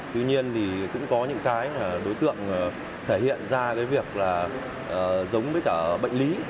trước tình hình trên thì cũng có những cái đối tượng thể hiện ra cái việc là giống với cả bệnh lý